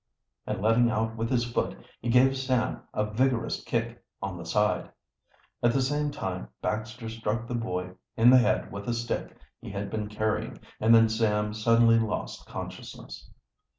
And letting out with his foot, he gave Sam a vigorous kick on the side. At the same time Baxter struck the boy in the head with a stick he had been carrying, and then Sam suddenly lost consciousness.